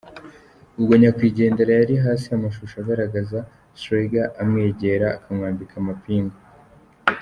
Ubwo Nyakwigendera yari hasi amashusho agaragaza Slagger amwegera akamwambika amapingu.